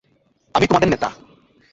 আমি তোমাদের নেতা।